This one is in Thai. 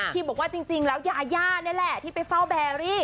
กรีมบอกจริงแล้วยางี้แหละที่ไปเฝ้าแบร์รี่